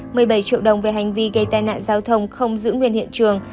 một mươi bảy triệu đồng về hành vi gây tai nạn giao thông không giữ nguyên hiện trường